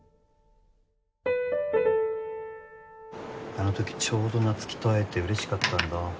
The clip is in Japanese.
あのときちょうど菜月と会えてうれしかったんだ。